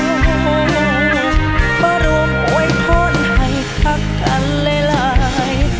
มาร่วมไว้พ้นหั่นพักกันไล่ลาย